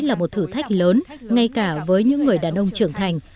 là một thử thách lớn ngay cả với những người đàn ông trưởng thành